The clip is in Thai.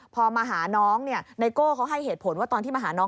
พอมาหาน้องเนี่ยไนโก้เขาให้เหตุผลว่าตอนที่มาหาน้อง